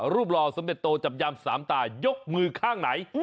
หล่อสมเด็จโตจับยามสามตายกมือข้างไหน